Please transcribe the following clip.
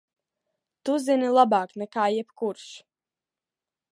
Tu zini labāk nekā jebkurš!